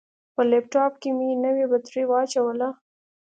په لپټاپ کې مې نوې بطرۍ واچوله.